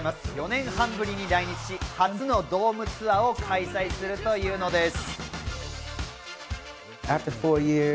４年半ぶりに来日し、初のドームツアーを開催するというのです。